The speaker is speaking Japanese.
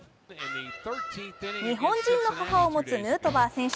日本人の母を持つヌートバー選手。